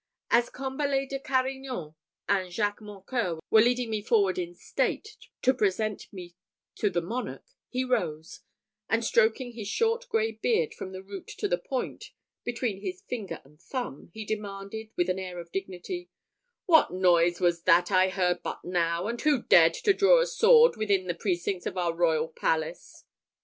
As Combalet de Carignan and Jacques Mocqueur were leading me forward in state to present me to the monarch, he rose, and stroking his short grey beard from the root to the point between his finger and thumb, he demanded, with an air of dignity, "What noise was that I heard but now, and who dared to draw a sword within the precincts of our royal palace?"